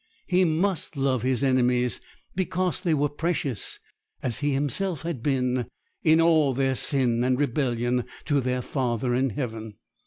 He must love his enemies because they were precious, as he himself had been, in all their sin and rebellion, to their Father in heaven.